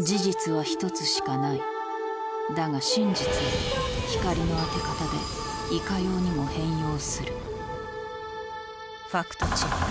事実は１つしかないだが真実は光の当て方でいかようにも変容するファクトチェック